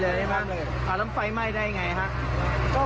สรุปพาไม่ได้จุด